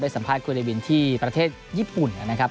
สัมภาษณ์คุณเรวินที่ประเทศญี่ปุ่นนะครับ